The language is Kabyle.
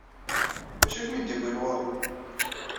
D acu ay kem-id-yewwin ɣer-i?